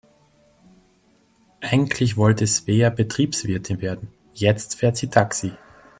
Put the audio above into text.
Eigentlich wollte Svea Betriebswirtin werden, jetzt fährt sie Taxi.